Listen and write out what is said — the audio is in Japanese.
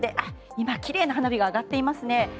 今、きれいな花火が上がっていますね。